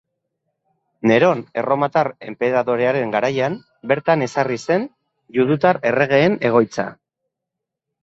Neron erromatar enperadorearen garaian, bertan ezarri zen judutar erregeen egoitza.